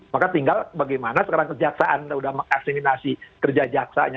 maka tinggal bagaimana sekarang kejaksaan sudah mengaksiminasi kerja jaksanya